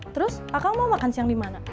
terus aku mau makan siang di mana